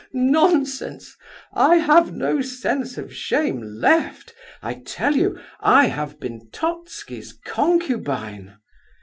nonsense! I have no sense of shame left. I tell you I have been Totski's concubine.